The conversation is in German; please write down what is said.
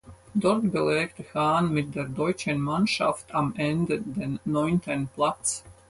Dort belegte Hahn mit der Deutschen Mannschaft am Ende den neunten Platz.